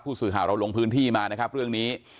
สื่อข่าวเราลงพื้นที่มานะครับเรื่องนี้